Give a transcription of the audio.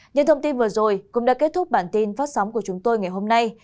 những thông tin vừa rồi cũng đã kết thúc bản tin phát sóng của chúng tôi ngày hôm nay